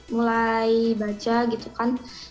mulai baca gitu kan